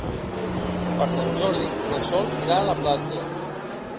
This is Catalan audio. Per Sant Jordi na Sol irà a la platja.